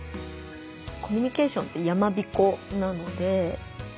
コミュニケーションってやまびこなので。